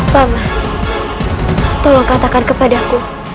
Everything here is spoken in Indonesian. paman tolong katakan kepadaku